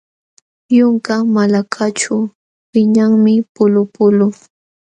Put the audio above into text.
Yunka malakaćhu wiñanmi pulupulu.